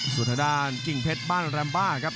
ส่วนทางด้านกิ่งเพชรบ้านแรมบ้าครับ